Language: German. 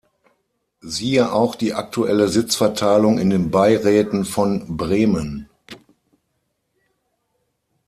Siehe auch die aktuelle Sitzverteilung in den Beiräten von Bremen.